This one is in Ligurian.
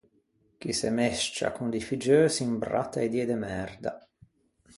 Chi se mesccia con di figgeu s’imbratta e die de merda.